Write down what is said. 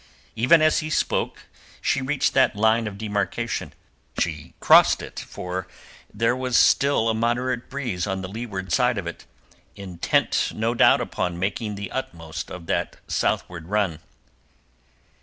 Even as he spoke she reached that line of demarcation. She crossed it, for there was still a moderate breeze on the leeward side of it, intent no doubt upon making the utmost of that southward run.